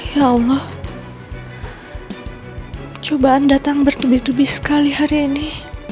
ya allah cobaan datang bertubi tubi sekali hari ini